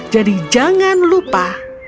jadi jangan lupa